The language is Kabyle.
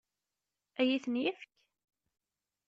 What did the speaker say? Ad iyi-ten-yefk?